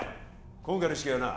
今回の試験はな